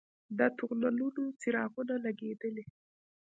د تونلونو څراغونه لګیدلي؟